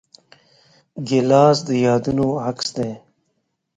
ګیلاس د یادونو عکس دی.